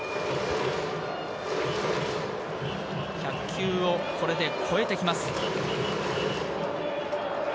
１００球をこれで超えてきます。